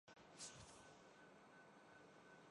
یہ پراپرٹیاں باہر کس نے بنائی ہیں؟